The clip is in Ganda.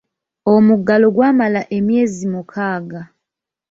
Omuggalo gwamala emyezi mukaaga.